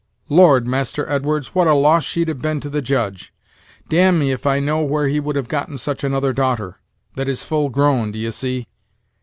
Lord, Master Edwards, what a loss she'd have been to the Judge! Dam'me if I know where he would have gotten such another daughter; that is, full grown, d'ye see.